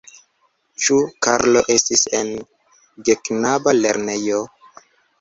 Ĉu Karlo estis en geknaba lernejo?